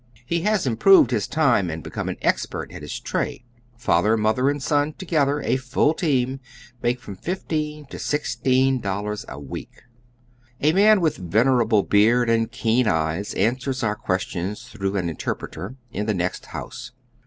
He has improved his time and become an expert at his trade. fatlier, mother and son together, a foil team, make from fifteen to sixteen dollars a week, A man with venerable beard and keen eyes answers our questions through an interpreter, in the next lionse.